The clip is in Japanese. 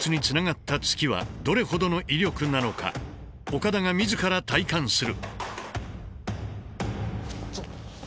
岡田が自ら体感する。